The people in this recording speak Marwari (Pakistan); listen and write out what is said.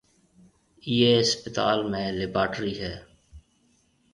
ايئيَ اسپتال ۾ ليبارٽرِي ھيََََ